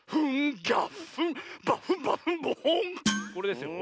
これですよ。